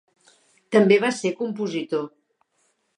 També va ser compositor.